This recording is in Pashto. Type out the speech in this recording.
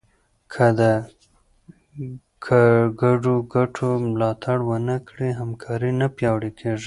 که د ګډو ګټو ملاتړ ونه کړې، همکاري نه پیاوړې کېږي.